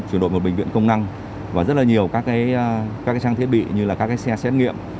chuyển đổi một bệnh viện công năng và rất là nhiều các trang thiết bị như là các xe xét nghiệm